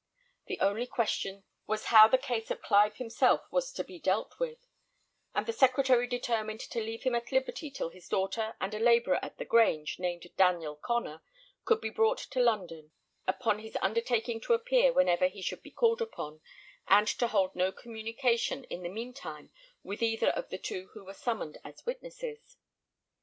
The only question was how the case of Clive himself was to be dealt with; and the Secretary determined to leave him at liberty till his daughter and a labourer at the Grange, named Daniel Connor, could be brought to Loudon, upon his undertaking to appear whenever he should be called upon, and to hold no communication in the mean time with either of the two who were summoned as witnesses.